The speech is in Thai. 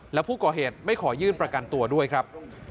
และผู้ก่อเหตุไม่ขอยื่นประกันตัวด้วยครับ